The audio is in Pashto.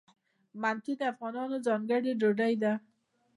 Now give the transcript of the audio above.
منتو د افغانانو ځانګړې ډوډۍ ده.